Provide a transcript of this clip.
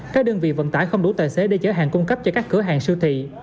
các đơn vị vận tải không đủ tài xế để chở hàng cung cấp cho các cửa hàng siêu thị